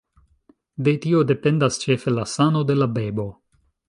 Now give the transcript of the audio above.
De tio dependas ĉefe la sano de la bebo.